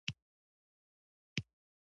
غربي سیلانیانو ورسره عکسونه اخیستل.